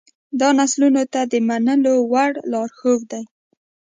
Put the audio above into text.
دا نسلونو ته د منلو وړ لارښود دی.